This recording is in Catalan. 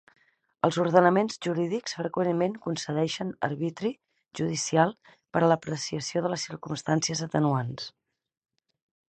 Els ordenaments jurídics freqüentment concedeixen arbitri judicial per a l'apreciació de les circumstàncies atenuants.